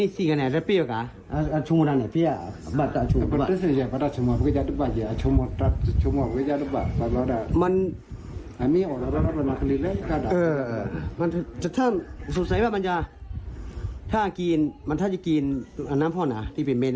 สงสัยว่ามันจะกินน้ำพ่อหนาที่เป็นเม็ดนั่น